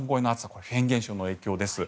これ、フェーン現象の影響です。